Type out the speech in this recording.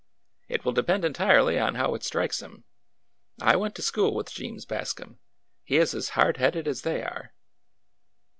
" It will depend entirely on how it strikes him. I went to school with Jeems Bascom. He is as hard headed as they are."